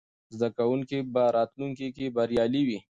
زده کوونکي به راتلونکې کې بریالي وي.